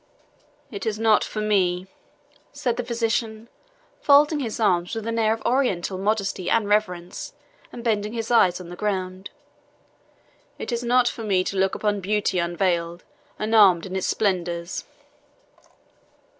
"It is not for me," said the physician, folding his arms with an air of Oriental modesty and reverence, and bending his eyes on the ground "it is not for me to look upon beauty unveiled, and armed in its splendours."